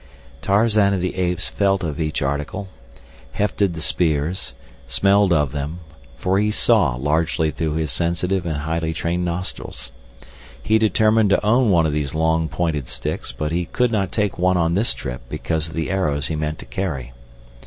Tarzan of the Apes felt of each article, hefted the spears, smelled of them, for he "saw" largely through his sensitive and highly trained nostrils. He determined to own one of these long, pointed sticks, but he could not take one on this trip because of the arrows he meant to carry.